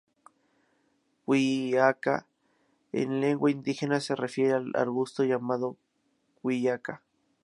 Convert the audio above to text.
Quiaca en lengua indígena se refiere al arbusto llamado Quiaca.